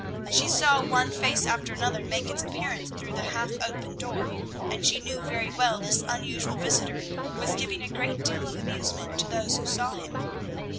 She saw one face after another make its appearance through the half open door, and she knew very well this unusual visitor was giving a great deal of amusement to those who saw him.